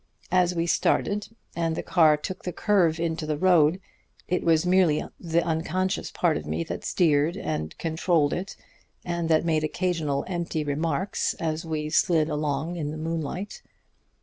As we started, and the car took the curve into the road, it was merely the unconscious part of me that steered and controlled it, and that made occasional empty remarks as we slid along in the moonlight.